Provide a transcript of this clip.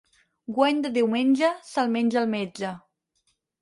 Guany de diumenge, se'l menja el metge.